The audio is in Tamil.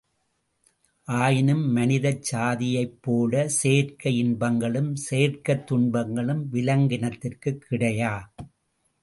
ஆயினும் மனிதச் சாதியைப்போல செயற்கை இன்பங்களும் செயற்கைத்துன்பங்களும் விலங்கினத்திற்கு கிடையா!